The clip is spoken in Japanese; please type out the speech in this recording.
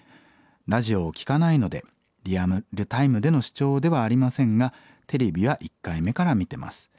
ラジオを聴かないのでリアルタイムでの視聴ではありませんがテレビは１回目から見てます。